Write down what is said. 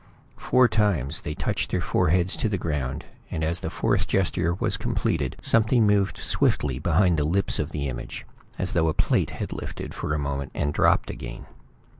Four times they touched their foreheads to the ground, and as the fourth gesture was completed something moved swiftly behind the lips of the image, as though a plate had lifted for a moment and dropped again.